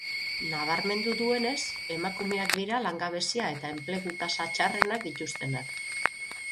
Nabarmendu duenez, emakumeak dira langabezia eta enplegu tasa txarrenak dituztenak.